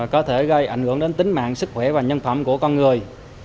có thể gây ảnh hưởng đến tính mạng sức khỏe và nhân phẩm của con người